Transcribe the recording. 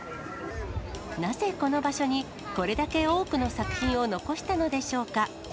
なぜこの場所に、これだけ多くの作品を残したのでしょうか。